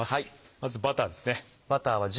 まずバターですね。